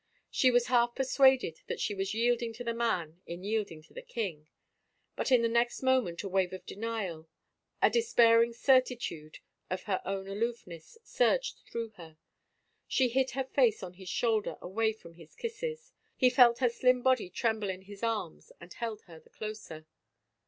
She was half persuaded that she was yielding to the man in yielding to the king. But in the next moment a wave of denial, a despairing certitude of her own aloofness, surged through her. She hid her face on his shoulder away from his kisses. He felt her slim body tremble in his arms and held her the closer.